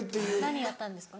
何やったんですか？